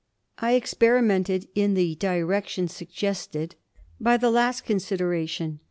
I experi mented in the direction suggested by the last considera tion.